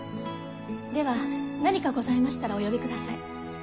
では何かございましたらお呼びください。